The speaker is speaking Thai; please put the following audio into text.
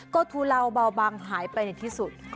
ก็ทุเลาเบาบังหายไปในที่สุด